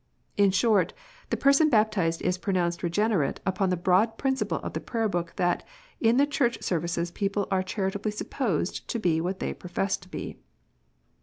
In short, the person baptized is pronounced regenerate upon the broad principle of the Prayer book, that, in the Church services people are charitably supposed to be what they profess to be.